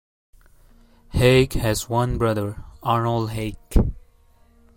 Hegh has one brother, Arnold Hegh.